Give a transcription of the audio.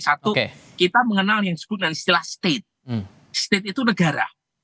satu kita mengenal yang disebut dengan istilah state state itu negara